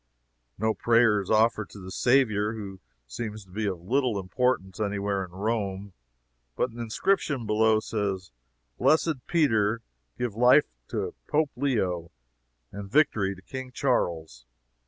No prayer is offered to the Saviour, who seems to be of little importance any where in Rome; but an inscription below says, "Blessed Peter, give life to Pope Leo and victory to king Charles."